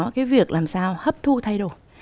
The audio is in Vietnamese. cái việc làm sao hấp thu thay đổi